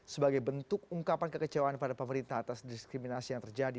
sebagai bentuk ungkapan kekecewaan pada pemerintah atas diskriminasi yang terjadi